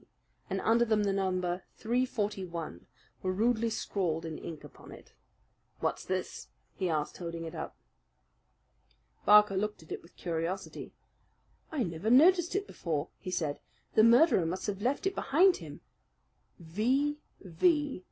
and under them the number 341 were rudely scrawled in ink upon it. "What's this?" he asked, holding it up. Barker looked at it with curiosity. "I never noticed it before," he said. "The murderer must have left it behind him." "V.